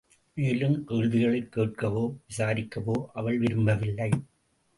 மேலும் கேள்விகள் கேட்கவோ, விசாரிக்கவோ அவள் விரும்பவில்லை.